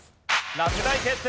落第決定！